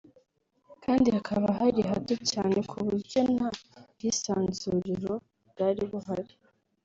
kandi hakaba hari hato cyane ku buryo nta bwisanzuriro bwari buhari